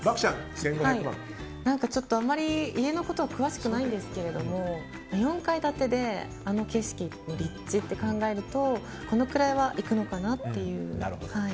あまり家のこと詳しくないんですけど４階建てであの景色の立地と考えるとこのくらいはいくのかなっていう。